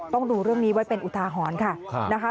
ต้องดูเรื่องนี้ไว้เป็นอุทาหรณ์ค่ะนะคะ